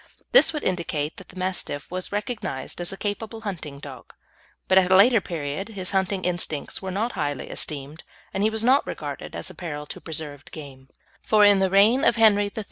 This would indicate that the Mastiff was recognised as a capable hunting dog; but at a later period his hunting instincts were not highly esteemed, and he was not regarded as a peril to preserved game; for in the reign of Henry III.